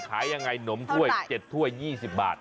ขายยังไงหนมถ้วย๗ถ้วย๒๐บาท